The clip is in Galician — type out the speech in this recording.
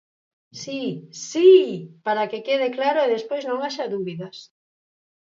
Si, ¡si!, para que quede claro e despois non haxa dúbidas.